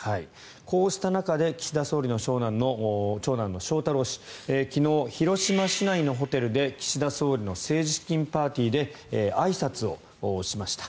こうした中で岸田総理の長男の翔太郎氏昨日、広島市内のホテルで岸田総理の政治資金パーティーであいさつをしました。